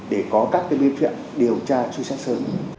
để có các cái biên truyện điều tra túi sách sơ hở